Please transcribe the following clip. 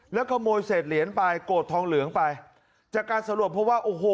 แล้วขโมยเศษเหรียญไปโกรธทองเหลืองไปจากการสรวบเพราะว่าโอ้โห